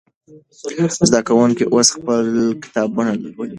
زده کوونکي اوس خپل کتابونه لولي.